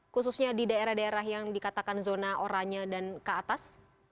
khususnya di daerah daerah yang dikatakan zona oranye dan ke atas